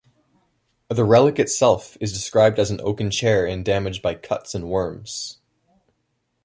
The relic itself is described as an oaken chair damaged by cuts and worms.